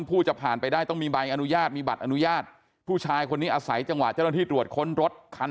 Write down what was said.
ผู้จะผ่านไปได้ต้องมีใบอนุญาตมีบัตรอนุญาตผู้ชายคนนี้อาศัยจังหวะเจ้าหน้าที่ตรวจค้นรถคัน